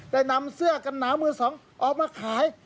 ได้นำเสื้อกันหนาวมือสองออกมาขาย